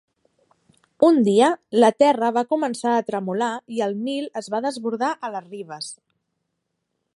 Un dia, la terra va començar a tremolar i el Nil es va desbordar a les ribes.